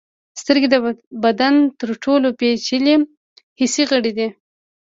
سترګې د بدن تر ټولو پیچلي حسي غړي دي.